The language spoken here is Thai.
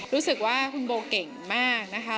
รู้สึกว่าคุณโบเก่งมากนะคะ